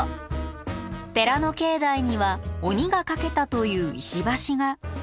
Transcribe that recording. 寺の境内には鬼が架けたという石橋が。